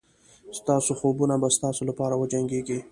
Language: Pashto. ستاسو خوبونه به ستاسو لپاره وجنګېږي.